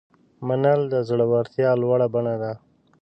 منل د زړورتیا لوړه بڼه ده.